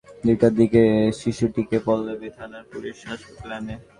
Dhaka medical সূত্র বলেছে, বেলা দুইটার দিকে শিশুটিকে পল্লবী থানার পুলিশ হাসপাতালে আনে।